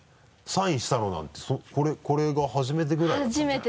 サインしたのなんてこれが初めてぐらいだったんじゃない？